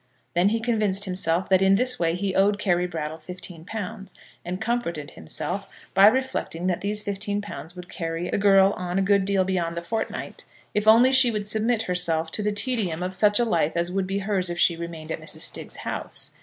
Then he convinced himself that in this way he owed Carry Brattle fifteen pounds, and comforted himself by reflecting that these fifteen pounds would carry the girl on a good deal beyond the fortnight; if only she would submit herself to the tedium of such a life as would be hers if she remained at Mrs. Stiggs's house.